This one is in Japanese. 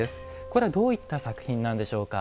これはどういった作品なんでしょうか？